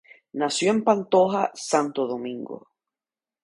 Nació en Pantoja, Santo Domingo.